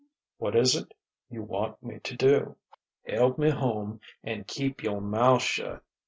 "What is it you want me to do?" "Help me home and keep your mouth shut....